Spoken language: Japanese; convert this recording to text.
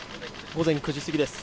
午前９時過ぎです。